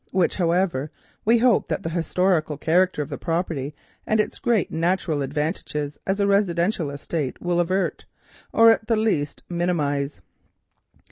This, however, we hope that the historical character of the property and its great natural advantages as a residential estate will avert, or at the least minimise.